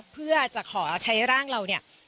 เพื่อจะขอใช้ร่างเรา